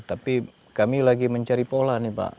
tapi kami lagi mencari pola nih pak